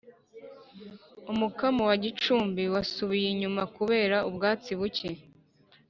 Umukamo wa Gicumbi wasubiye inyuma kubera ubwatsi buke